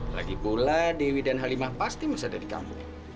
lagipula dewi dan halimah pasti mengadani kamu